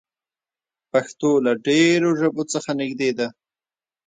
پښتو له ډېرو ژبو څخه نږدې ده.